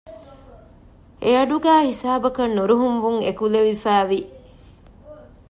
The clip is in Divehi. އެއަޑުގައި ހިސާބަކަށް ނުރުހުންވުން އެކުލެވިފައިވި